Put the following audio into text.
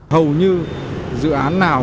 hầu như dự án nào